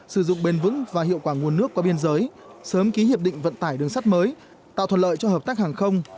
sử dụng bền vững và hiệu quả nguồn nước qua biên giới sớm ký hiệp định vận tải đường sắt mới tạo thuận lợi cho hợp tác hàng không